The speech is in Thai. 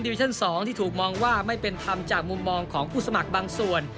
วิชั่น๒ที่ถูกมองว่าไม่เป็นธรรมจากมุมมองของผู้สมัครบางส่วน